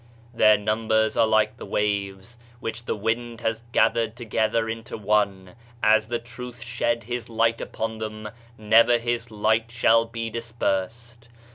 "Their numbers are like the waves, which the wind has gathered together into one; as The Truth shed his light upon them, never his light shall be dispersed.